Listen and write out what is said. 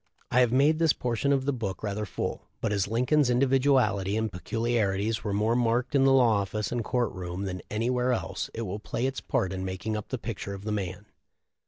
I have made this portion of the book rather full; but as Lincoln's individuality and peculiarities were more marked in the law office and court room than anywhere else it will play its part in making up the picture of the man.